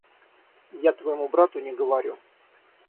Я твоему брату не говорю.